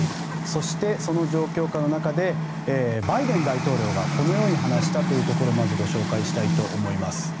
そして、その状況下の中でバイデン大統領がこのように話したというところまずご紹介したいと思います。